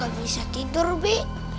gak bisa tidur bi